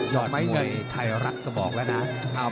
ยอดมวยไทรัสก็บอกแล้วนะ